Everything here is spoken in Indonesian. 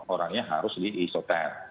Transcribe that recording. orangnya harus diisotek